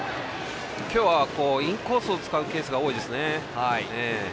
今日はインコースを使うケースが多いですね。